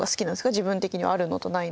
自分的にはあるのとないのと。